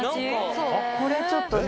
これちょっとね。